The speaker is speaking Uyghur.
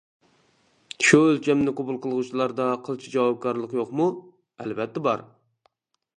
شۇ ئۆلچەمنى قوبۇل قىلغۇچىلاردا قىلچە جاۋابكارلىق يوقمۇ؟ ئەلۋەتتە بار.